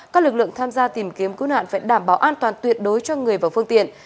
các lực lượng tham gia tìm kiếm cứu nạn phải đảm bảo an toàn tuyệt đối cho người và phương tiện